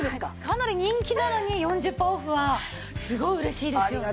かなり人気なのに４０パーセントオフはすごい嬉しいですよね。